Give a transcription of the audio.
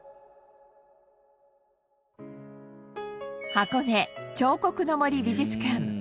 箱根彫刻の森美術館。